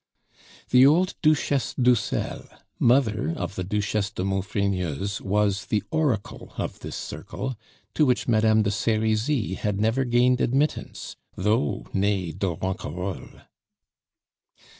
The old Duchesse d'Uxelles, mother of the Duchesse de Maufrigneuse, was the oracle of this circle, to which Madame de Serizy had never gained admittance, though nee de Ronquerolles.